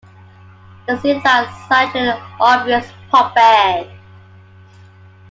They seemed like such an obvious pop band.